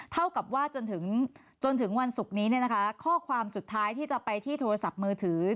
เท่ากับว่าจนถึงวันศุกร์นี้ข้อความสุดท้ายที่จะไปที่โทรศัพท์มือถือ